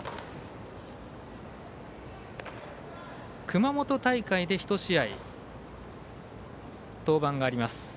熊本大会で１試合登板があります。